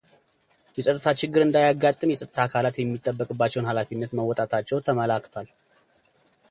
የፀጥታ ችግር እንዳያጋጥም የፀጥታ አካላት የሚጠበቅባቸውን ሃላፊነት መወጣታቸው ተመላክቷል፡፡